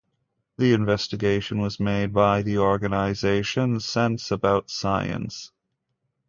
This investigation was made by the organization Sense About Science.